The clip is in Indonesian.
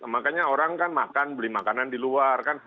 makanya orang kan makan beli makanan di luar kan